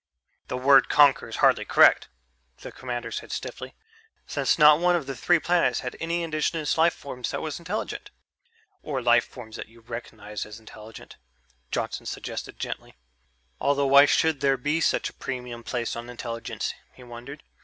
"The word conquer is hardly correct," the commander said stiffly, "since not one of the three planets had any indigenous life forms that was intelligent." "Or life forms that you recognized as intelligent," Johnson suggested gently. Although why should there be such a premium placed on intelligence, he wondered.